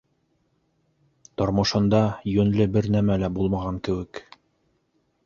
Тормошонда йүнле бер нәмә лә булмаған кеүек.